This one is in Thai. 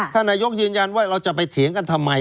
ท่านนายกยืนยันว่าเราจะไปเถียงกันทำไม